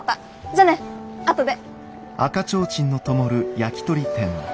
じゃあねあとで。